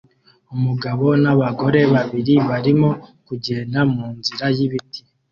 Umugabo nabagore babiri barimo kugenda munzira yibiti